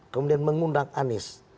kemudian mengundang anies